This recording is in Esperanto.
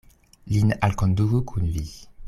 Lin alkonduku kun vi.